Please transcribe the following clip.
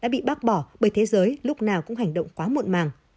đã bị bác bỏ bởi thế giới lúc nào cũng hành động quá muộn màng